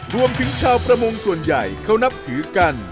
รวมถึงชาวประมงส่วนใหญ่เขานับถือกัน